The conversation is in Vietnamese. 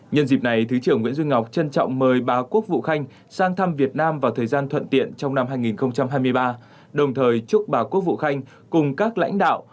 nhân dịp này thứ trưởng nguyễn duy ngọc trân trọng mời bà quốc vụ khanh sang thăm việt nam vào thời gian thuận tiện trong năm hai nghìn hai mươi ba đồng thời chúc bà quốc vụ khanh cùng các lãnh đạo